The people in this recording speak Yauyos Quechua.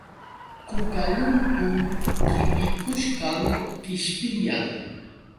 Kukalunkun qipikushqam qishpiyan.